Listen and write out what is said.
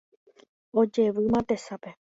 Ojevýma tesape